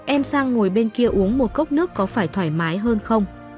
em sang ngồi bên kia uống một cốc nước có phải thoải mái hơn không